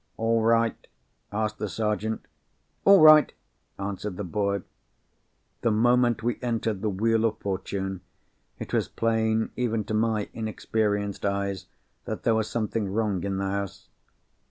"All right?" asked the Sergeant. "All right," answered the boy. The moment we entered "The Wheel of Fortune" it was plain even to my inexperienced eyes that there was something wrong in the house.